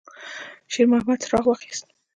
شېرمحمد څراغ واخیست.